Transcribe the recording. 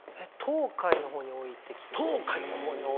東海のほうに多いって聞きますね。